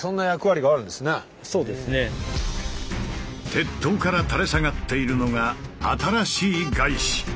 鉄塔から垂れ下がっているのが新しいガイシ。